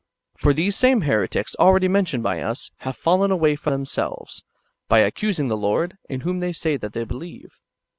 For these same heretics ah^eady mentioned by iis have fallen away from themselves, by accusing the Lord, in whom they say that they believe.